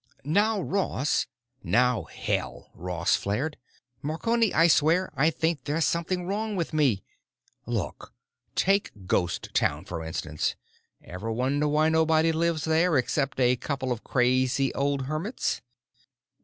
"Now, Ross——" "Now, hell!" Ross flared. "Marconi, I swear I think there's something wrong with me! Look, take Ghost Town for instance. Ever wonder why nobody lives there, except a couple of crazy old hermits?"